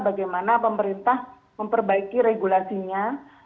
bagaimana pemerintah memperbaiki regulasinya